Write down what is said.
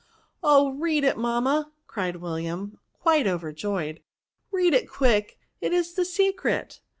" Oh ! read it, mam ma," cried William, quite overjoyed; " read it quick ; it is the secret."